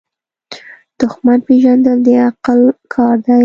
دښمن پیژندل د عقل کار دی.